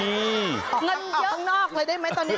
เงินเยอะข้างนอกเลยได้ไหมตอนนี้